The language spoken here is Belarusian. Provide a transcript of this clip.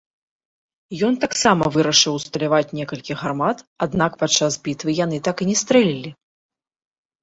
Ён таксама вырашыў усталяваць некалькі гармат, аднак падчас бітвы яны так і не стрэлілі.